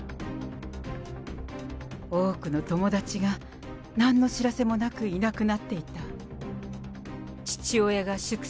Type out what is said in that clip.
多くの友達が、なんの知らせもなく、いなくなっていた。